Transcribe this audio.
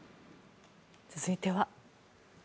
続いては。